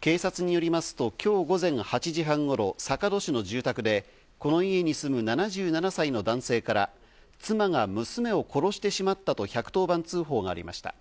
警察によりますと今日午前８時半頃、坂戸市の住宅で、この家に住む７７歳の男性から、妻が娘を殺してしまったと、１１０番通報がありました。